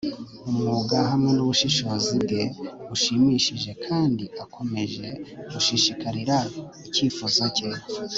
umwuga, hamwe nubushishozi bwe bushimishije kandi akomeje gushishikarira icyifuzo cye